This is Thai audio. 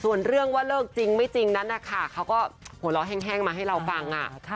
ส่วนเรื่องว่าเลิกจริงไม่จริงนั้นนะคะเขาก็หัวเราะแห้งมาให้เราฟัง